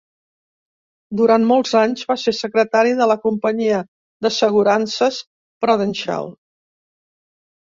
Durant molts anys, va ser secretari de la companyia d'assegurances Prudential.